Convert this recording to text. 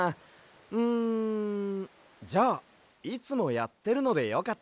んじゃあいつもやってるのでよかったら。